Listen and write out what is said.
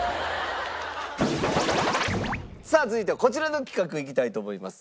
さあ続いてはこちらの企画いきたいと思います。